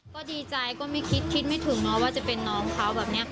ก็ดีใจก็ไม่คิดคิดไม่ถึงว่าจะเป็นน้องเขาแบบนี้